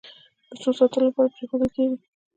د څو ساعتونو لپاره پرېښودل کېږي.